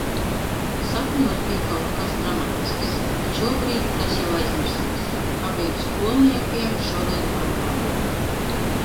Sapņos bija kaut kas dramatisks, bet šobrīd tas jau aizmirsies. Abiem skolniekiem šodien kontroldarbi.